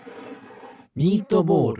ミートボール。